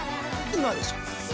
今でしょ！